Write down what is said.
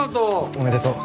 おめでとう。